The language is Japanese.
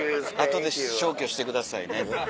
後で消去してくださいね。